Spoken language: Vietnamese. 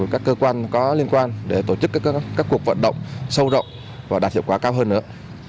các cơ quan có liên quan để tổ chức các cuộc vận động sâu rộng và đạt hiệu quả cao hơn nữa